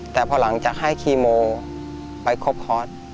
แต่พอหลังจากให้คีโมไปครบคอร์ส